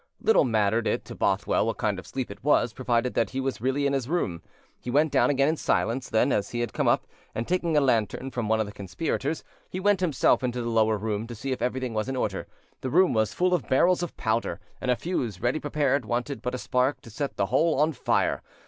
Little mattered it to Bothwell what kind of sleep it was, provided that he was really in his room. He went down again in silence, then, as he had come up, and taking a lantern from one of the conspirators, he went himself into the lower room to see if everything was in order: this room was full of barrels of powder, and a fuse ready prepared wanted but a spark to set the whole on fire.